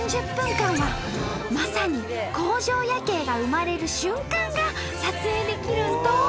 ３０分間はまさに工場夜景が生まれる瞬間が撮影できるんと！